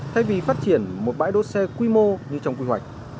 thay vì phát triển một bãi đỗ xe quy mô như trong quy hoạch